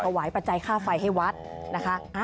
วาปัจจัยค่าไฟให้วัดนะคะ